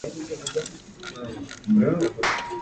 Habita la franja costera de dicho país del lado del Atlántico.